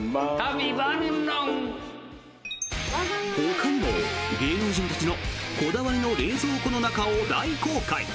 ほかにも、芸能人たちのこだわりの冷蔵庫の中を大公開。